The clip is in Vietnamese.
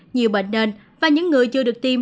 nhiều bệnh nền và những người chưa được tiêm